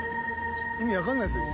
意味分かんないっすよ。